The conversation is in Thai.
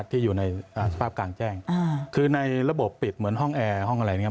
ที่อยู่ในสภาพกลางแจ้งคือในระบบปิดเหมือนห้องแอร์ห้องอะไรอย่างนี้